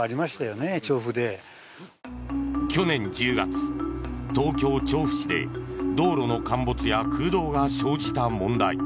去年１０月東京・調布市で道路の陥没や空洞が生じた問題。